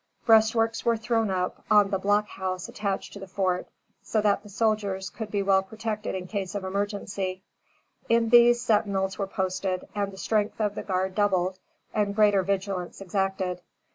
Breastworks were thrown up on the block house attached to the fort, so that the soldiers could be well protected in case of emergency. In these, sentinels were posted, and the strength of the guard doubled and greater vigilance exacted.